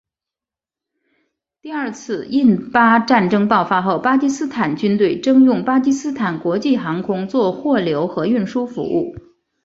第二次印巴战争爆发后巴基斯坦军队征用巴基斯坦国际航空做货流和运输服务。